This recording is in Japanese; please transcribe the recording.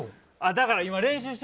だから今、練習して。